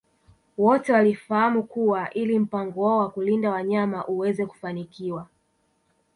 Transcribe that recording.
Wote walifahamu kuwa ili mpango wao wa kulinda wanyama uweze kufanikiwa